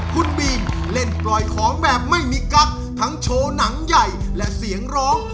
คุณบีมเล่นปล่อยของแบบไม่มีกั๊กทั้งโชว์หนังใหญ่และเสียงร้อง